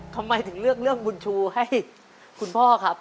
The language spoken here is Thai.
ทำไมถึงเลือกเรื่องบุญชูให้คุณพ่อครับ